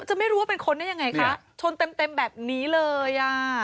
จะไม่รู้ว่าเป็นคนนั้นอย่างไรคะชนเต็มแบบนี้เลย